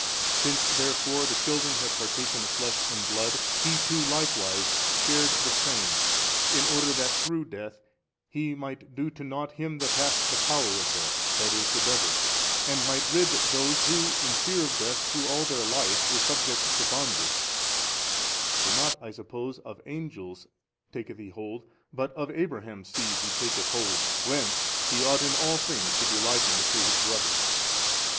Since therefore the children have partalcen of blood and flesh, He too likewise |300 shared the same, in order that through death He might do to nought him that hath the power of death, i.e., the devil, and might rid those who in fear of death through all their life were subject to bondage: for not I suppose of angels taketh He hold but of Abraham's seed He taketh hold, whence He ought in all things to be likened to His brothers.